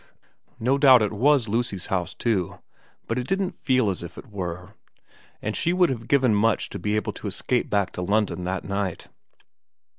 No doubt it was Lucy's house too, but it didn't feel as if it were, and she would have given much to be able to escape back to London that night.